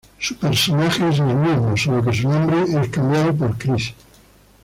Su personaje es el mismo solo que su nombre es cambiado por Chris.